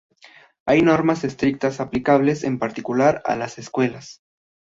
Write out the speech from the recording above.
Hay normas estrictas aplicables en particular a las escuelas.